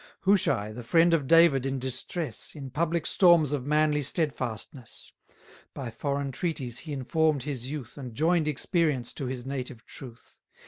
Hushai, the friend of David in distress; In public storms of manly steadfastness: By foreign treaties he inform'd his youth, 890 And join'd experience to his native truth.